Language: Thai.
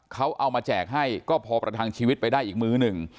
เขาเอามาแจกให้ก็พอประทังชีวิตไปได้อีกมื้อหนึ่ง